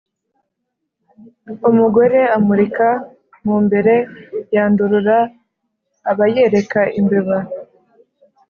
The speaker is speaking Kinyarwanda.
Umugore umurika mu mbere yandurura, aba yereka imbeba.